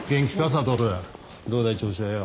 悟どうだい調子はよ。